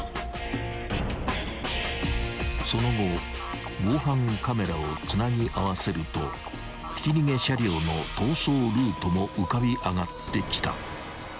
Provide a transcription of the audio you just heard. ［その後防犯カメラをつなぎ合わせるとひき逃げ車両の逃走ルートも浮かび上がってきた］